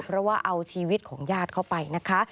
เพราะว่าเอาชีวิตของญาติเข้าไปนะคะ